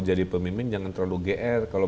jadi pemimpin jangan terlalu gr kalau